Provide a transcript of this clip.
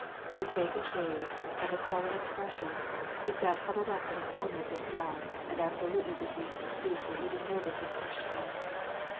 With vacant gaze and a sullen ex pression, he sat huddled up in a comer of his cell and absolutely refused to speak or even notice his questioner.